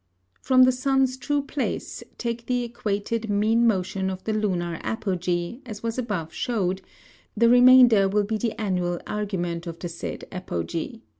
From the Sun's true Place, take the equated mean Motion of the Lunar Apogee, as was above shew'd, the Remainder will be the Annual Argument of the said Apogee.